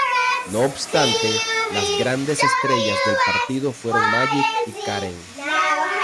No obstante, las grandes estrellas del partido fueron Magic y Kareem.